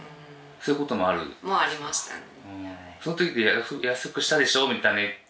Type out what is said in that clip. そういうこともあるもありましたね